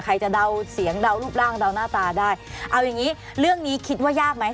ใครจะเดาเสียงเดารูปร่างเดาหน้าตาได้เอาอย่างงี้เรื่องนี้คิดว่ายากไหม